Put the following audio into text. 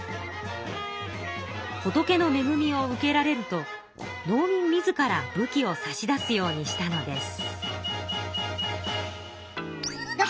仏のめぐみを受けられると農民自ら武器を差し出すようにしたのです。